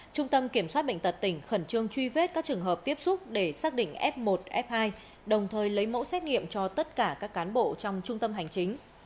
trung tâm kiểm soát bệnh tật tỉnh khẩn trương truy vết các trường hợp tiếp xúc để xác định f một f hai đồng thời lấy mẫu xét nghiệm cho tất cả các cán bộ trong trung tâm hành chính